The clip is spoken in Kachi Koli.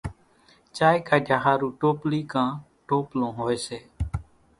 چائيَ ڪاڍِيا ۿارُو ٽوپلِي ڪان ٽوپلون هوئيَ سي۔